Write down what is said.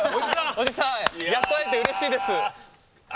やっと会えてうれしいです。